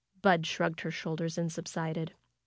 Bud shrugged her shoulders and subsided.